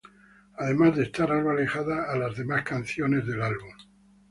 Además de estar algo alejada a las demás canciones del álbum.